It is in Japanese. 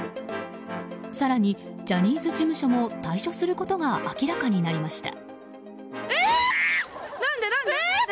更にジャニーズ事務所も退所することが明らかになりました。